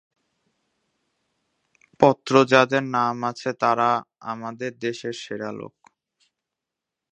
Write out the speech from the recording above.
পত্র যাঁদের নাম আছে, তাঁরা আমাদের দেশের সেরা লোক।